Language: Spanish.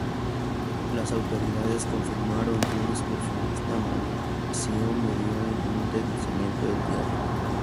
Las autoridades confirmaron que un excursionista malasio murió en un deslizamiento de tierra.